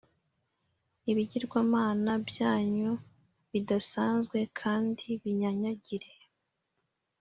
ibigirwamana byanyu bisandazwe kandi binyanyagire